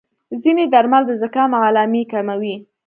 ځینې درمل د زکام علامې کموي.